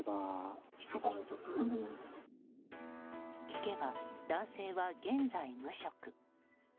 聞けば男性は現在無職。